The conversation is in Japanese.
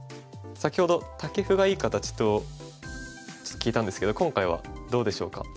先ほどタケフがいい形と聞いたんですけど今回はどうでしょうか？